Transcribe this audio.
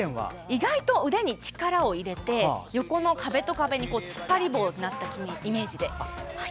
意外と腕に力を入れて横の壁と壁に突っ張り棒になったイメージで。